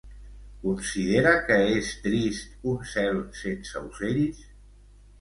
Considera que és trist un cel sense ocells?